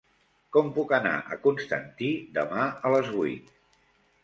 Com puc anar a Constantí demà a les vuit?